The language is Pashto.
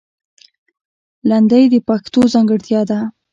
لندۍ د پښتو ځانګړتیا ده